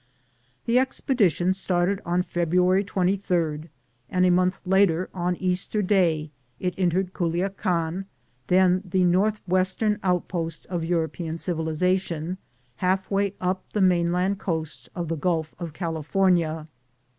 The expedition started on February 23d, and a month later, on Easter day, it entered Culiacan, then the northwestern out post of European civilization, half way up the mainland coast of the Gulf of California.